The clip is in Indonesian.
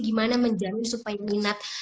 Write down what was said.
gimana menjamin supaya minat